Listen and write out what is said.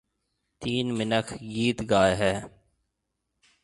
تين مِنک گِيت گائي هيَ۔